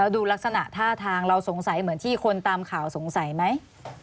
ดูลักษณะท่าทางเราสงสัยเหมือนที่คนตามข่าวสงสัยไหม